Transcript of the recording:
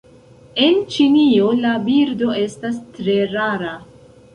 En Ĉinio la birdo estas tre rara.